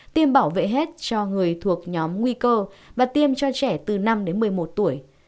tiêm bảo vệ hết cho người thuộc nhóm nguy cơ và tiêm cho trẻ từ năm đến một mươi một tuổi